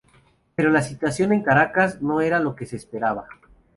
Pero la situación en Caracas no era lo que se esperaba.